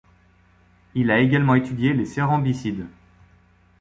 Il a également étudié les cérambycides.